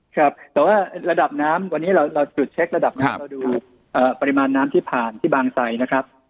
ครับแต่ว่าระดับน้ำวันนี้เราจุดเช็คระดับน้ำเราดูปริมาณน้ำที่ผ่านที่บางไซนะครับ